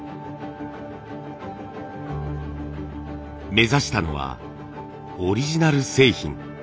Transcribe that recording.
目指したのはオリジナル製品。